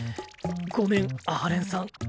ごめん阿波連さん。